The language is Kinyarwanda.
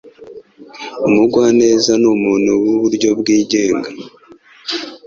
Umugwaneza numuntu wuburyo bwigenga.